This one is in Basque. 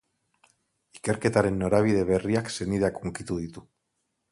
Ikerketaren norabide berriak senideak hunkitu ditu.